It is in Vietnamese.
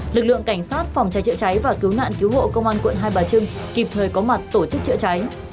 lực lượng cảnh sát phòng cháy chữa cháy và cứu nạn cứu hộ công an quận hai bà trưng kịp thời có mặt tổ chức chữa cháy